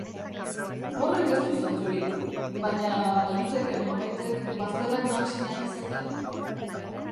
Horrek ez du zentzurik, baina baliteke norbaitek bazterrak nahasi nahi izatea.